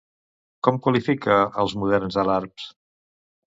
Com qualifica els moderns alarbs?